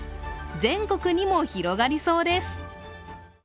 全国にも広がりそうです。